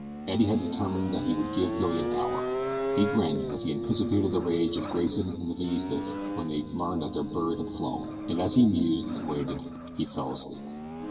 Eddie had determined that he would give Billy an hour. He grinned as he anticipated the rage of Grayson and the Villistas when they learned that their bird had flown, and as he mused and waited he fell asleep.